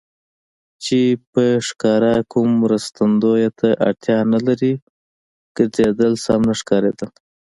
چې په ښکاره کوم مرستندویه ته اړتیا نه لري، ګرځېدل سم نه ښکارېدل.